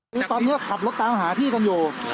พ่อใหญ่